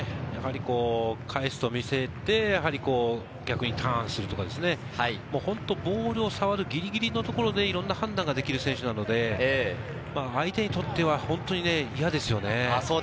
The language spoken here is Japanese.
返すと見せて、逆にターンするとか、ボールを触るギリギリのところで判断ができる選手なので、相手にとっては本当に嫌ですね。